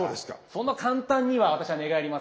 そんな簡単には私は寝返りませんよ。